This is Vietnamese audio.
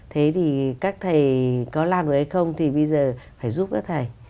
thế thì các thầy có làm được hay không thì bây giờ phải giúp các thầy